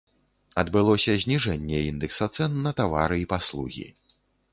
Адбылося зніжэнне індэкса цэн на тавары і паслугі.